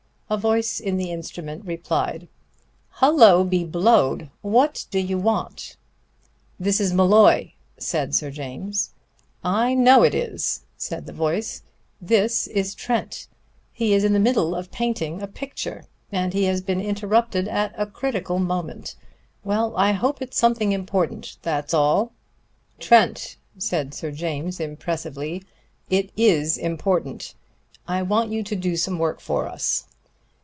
A voice in the instrument replied: "Hullo be blowed! What do you want?" "This is Molloy," said Sir James. "I know it is," the voice said. "This is Trent. He is in the middle of painting a picture, and he has been interrupted at a critical moment. Well, I hope it's something important, that's all!" "Trent," said Sir James impressively, "it is important. I want you to do some work for us."